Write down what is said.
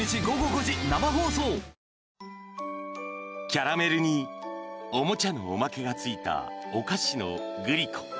キャラメルにおもちゃのおまけがついたお菓子のグリコ。